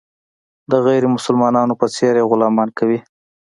د غیر مسلمانانو په څېر یې غلامان کوي.